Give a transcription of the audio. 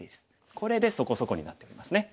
これでそこそこになってますね。